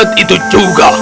saat itu juga